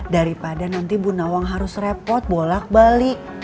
daripada nanti bu nawang harus repot bolak balik